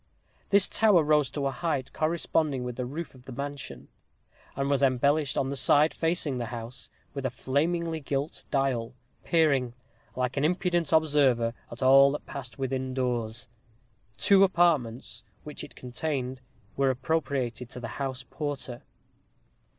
This tower rose to a height corresponding with the roof of the mansion; and was embellished on the side facing the house with a flamingly gilt dial, peering, like an impudent observer, at all that passed within doors. Two apartments, which it contained, were appropriated to the house porter.